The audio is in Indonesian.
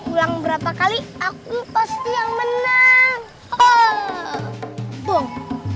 ulang berapa kali aku pasti yang menang pung